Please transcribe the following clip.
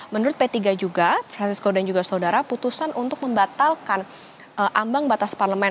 menurut p tiga juga francisco dan juga saudara putusan untuk membatalkan ambang batas parlemen